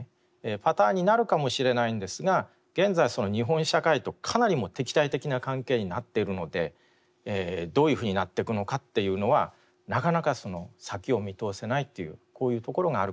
パターンになるかもしれないんですが現在日本社会とかなり敵対的な関係になっているのでどういうふうになっていくのかっていうのはなかなか先を見通せないっていうこういうところがあるかなと思います。